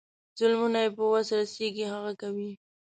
ظلمونه یې په وس رسیږي هغه کوي.